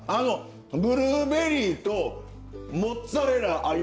ブルーベリーとモッツァレラ合いますね。